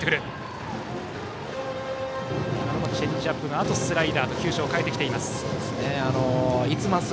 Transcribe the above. チェンジアップのあとにスライダーと球種を変えてきています。